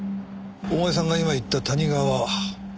お前さんが今言った谷川。